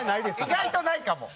意外とないかも。